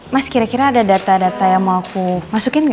mas kira kira ada data data yang mau aku masukin nggak